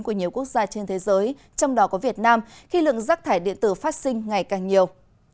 của nhiều quốc gia trên thế giới trong đó có việt nam khi lượng rác thải điện tử phát sinh ngày càng nhiều